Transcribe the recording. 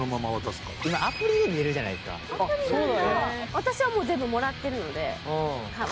私はもう全部もらってるので。